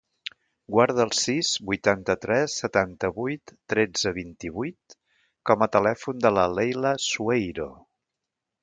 Guarda el sis, vuitanta-tres, setanta-vuit, tretze, vint-i-vuit com a telèfon de la Leila Sueiro.